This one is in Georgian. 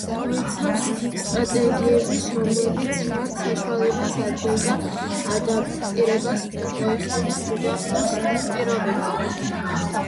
მოიცავს სტრატეგიებს, რომლებიც მათ საშუალებას აძლევდა ადაპტირება მოეხდინათ უდაბნოს პირობებთან.